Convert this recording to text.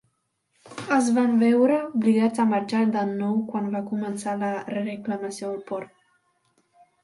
Es van veure obligats a marxar de nou quan va començar la reclamació al port.